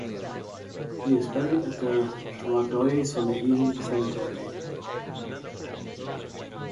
He is buried at the Shuadoi Solehin cemetery.